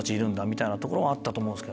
みたいなところはあったと思う。